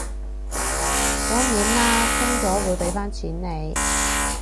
當然啦，充咗會畀返錢你